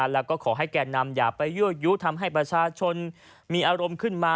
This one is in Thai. แล้วก็ขอให้แก่นำอย่าไปยั่วยุทำให้ประชาชนมีอารมณ์ขึ้นมา